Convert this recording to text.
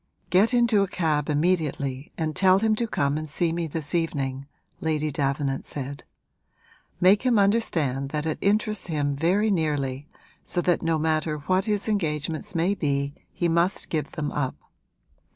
'Get into a cab immediately and tell him to come and see me this evening,' Lady Davenant said. 'Make him understand that it interests him very nearly, so that no matter what his engagements may be he must give them up.